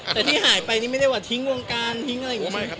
แต่ที่หายไปไม่เคยข่ายไปน่ะครับ